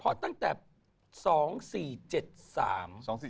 หลายพันบาท